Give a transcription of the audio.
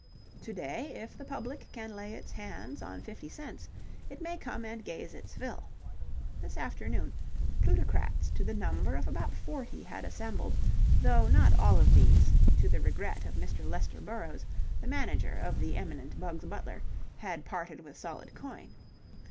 To day, if the public can lay its hands on fifty cents, it may come and gaze its fill. This afternoon, plutocrats to the number of about forty had assembled, though not all of these, to the regret of Mr. Lester Burrowes, the manager of the eminent Bugs Butler, had parted with solid coin.